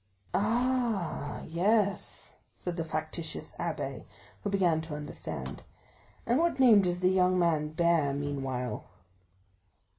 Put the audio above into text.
"Ah, yes," said the factitious abbé, who began to understand; "and what name does the young man bear meanwhile?"